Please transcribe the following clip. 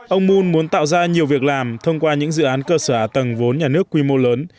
ông moon muốn tạo ra nhiều việc làm thông qua những dự án cơ sở ả tầng vốn nhà nước quy mô lớn